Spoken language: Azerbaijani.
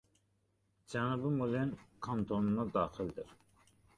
Cənubi Mulen kantonuna daxildir.